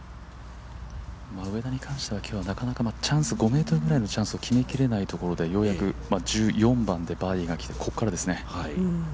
上田に関しては今日は５ｍくらいのチャンスを決めきれないところで、ようやく１４番でバーディーが来て、ここからですね。